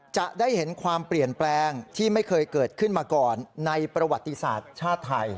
จะได้เห็นความเปลี่ยนแปลงที่ไม่เคยเกิดขึ้นมาก่อนในประวัติศาสตร์ชาติไทย